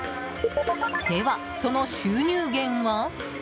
では、その収入源は？